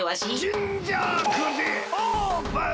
ジンジャーくじオープン！